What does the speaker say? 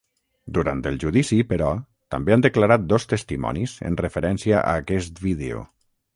Durant el judici, però, també han declarat dos testimonis en referència a aquest vídeo.